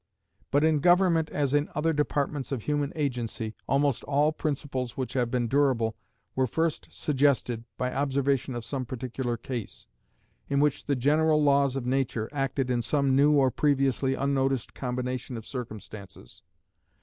But in government as in other departments of human agency, almost all principles which have been durable were first suggested by observation of some particular case, in which the general laws of nature acted in some new or previously unnoticed combination of circumstances.